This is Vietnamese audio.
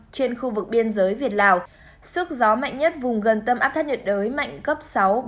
trên khu vực biên giới việt lào sức gió mạnh nhất vùng gần tâm áp thấp nhiệt đới mạnh cấp sáu